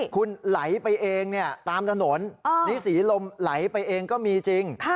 คุณไหลไปเองตามถนนนี่ศรีลมไหลไปเองก็มีจริง